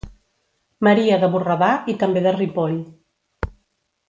Maria de Borredà i també de Ripoll.